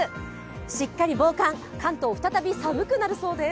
しっかり防寒、関東再び寒くなるそうです。